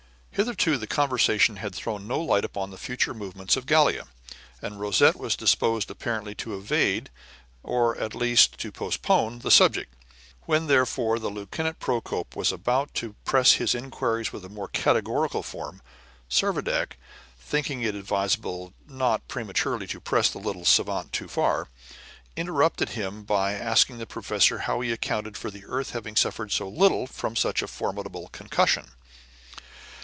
Hitherto the conversation had thrown no light upon the future movements of Gallia, and Rosette was disposed apparently to evade, or at least to postpone, the subject. When, therefore, Lieutenant Procope was about to press his inquiries in a more categorical form, Servadac, thinking it advisable not prematurely to press the little savant too far, interrupted him by asking the professor how he accounted for the earth having suffered so little from such a formidable concussion.